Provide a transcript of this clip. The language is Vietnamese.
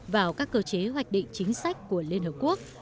vào các cơ chế hoạch định chính sách của liên hợp quốc